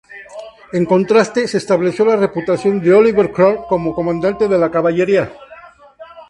En contraste, se estableció la reputación de Oliver Cromwell como comandante de la caballería.